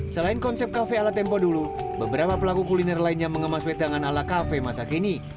selain konsep kafe ala tempo dulu beberapa pelaku kuliner lainnya mengemas wedangan ala kafe masa kini